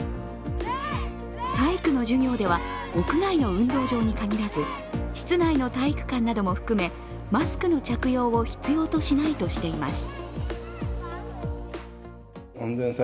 体育の授業では屋外の運動場に限らず、室内の体育館なども含めマスクの着用を必要としないとしています。